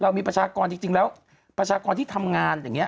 มีประชากรจริงแล้วประชากรที่ทำงานอย่างนี้